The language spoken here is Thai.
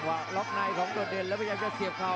ประโยชน์ทอตอร์จานแสนชัยกับยานิลลาลีนี่ครับ